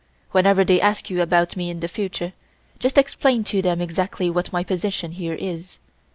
Whenever they ask you about me in the future just explain to them exactly what my position here is.